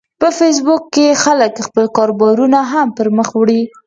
په فېسبوک کې خلک خپل کاروبارونه هم پرمخ وړي